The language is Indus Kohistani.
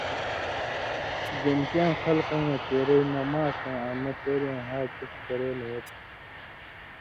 (جنتیاں خلکؤں نہ تېرئ) نہ ماݜؤں آں نہ پېریؤں ہا چک کرېل ہو تُھو۔